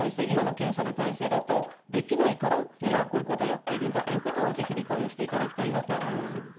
今の検査の体制だとできないから今、こういうことをやっているんだということはぜひ理解をしていただきたいと思います。